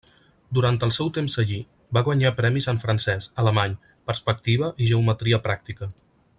Durant el seu temps allí, va guanyar premis en francès, alemany, perspectiva i geometria pràctica.